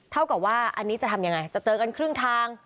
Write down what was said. เท่ากับว่าอันนี้จะทำยังไงจะเจอกันครึ่งทาง